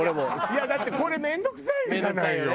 いやだってこれ面倒くさいじゃないの！